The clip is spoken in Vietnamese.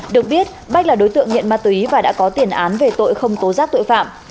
được biết bách là đối tượng nghiện ma túy và đã có tiền án về tội không tố giác tội phạm